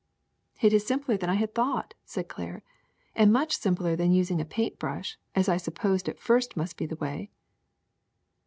'' It is simpler than I had thought," said Claire, and much simpler than using a paint brush, as I supposed at first must be the way."